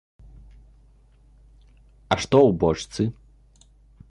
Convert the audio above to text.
А што ў бочцы?